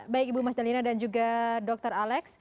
baik ibu mas jalina dan juga dokter alex